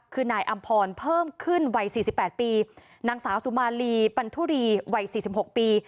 คือนายอำพรเพิ่มขึ้นวัยสี่สิบแปดปีนางสาวสุมาลีปันทุรีวัยสี่สิบหกปี